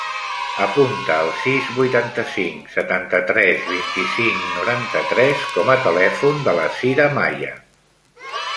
Apunta el sis, vuitanta-cinc, setanta-tres, vint-i-cinc, noranta-tres com a telèfon de la Cira Maya.